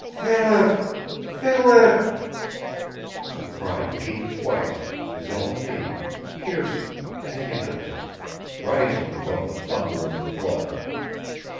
"Philip! Philip!" The cry came twice his own name, piercing, agonizing, rising above the thunder of the floods.